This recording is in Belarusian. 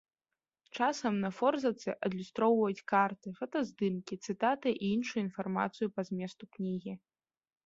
Часам на форзацы адлюстроўваюць карты, фотаздымкі, цытаты і іншую інфармацыю па зместу кнігі.